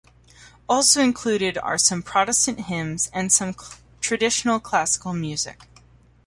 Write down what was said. Also included are some Protestant hymns and some traditional classical music.